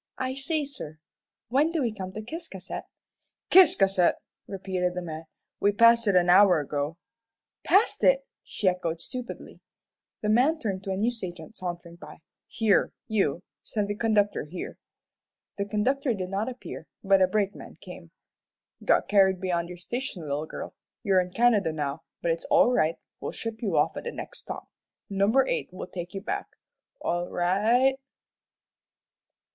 "I say, sir, when do we come to Ciscasset?" "Ciscasset!" repeated the man. "We passed it an hour ago." "Passed it!" she echoed, stupidly. The man turned to a news agent sauntering by. "Here, you, send the conductor here." The conductor did not appear, but a brakeman came. "Got carried beyond your station, little girl. You're in Canada now, but it's all right; we'll ship you off at the next stop. Number eight will take you back. All ri i i ght."